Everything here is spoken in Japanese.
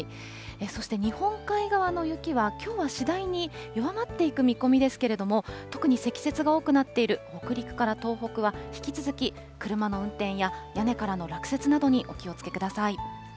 そして日本海側の雪は、きょうは次第に弱まっていく見込みですけれども、特に積雪が多くなっている北陸から東北は、引き続き車の運転や屋根からの落雪などにお気をつけください。